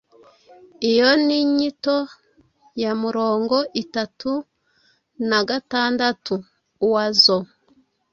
Iyo nyito ya murongo itatu na gatandatu oiseaux